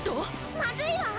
まずいわ！